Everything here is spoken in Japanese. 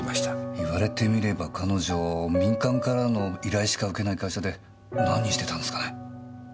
言われてみれば彼女民間からの依頼しか受けない会社で何してたんすかね？